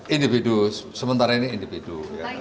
individu sementara ini individu